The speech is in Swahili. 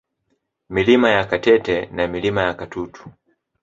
Milima ya Katete na Milima ya Katutu